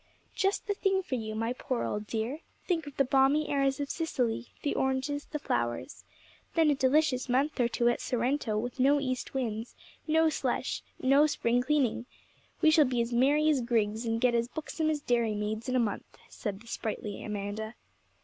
'Just the thing for you, my poor old dear. Think of the balmy airs of Sicily, the oranges, the flowers. Then a delicious month or two at Sorrento, with no east winds, no slush, no spring cleaning. We shall be as merry as grigs, and get as buxom as dairy maids in a month,' said the sprightly Amanda.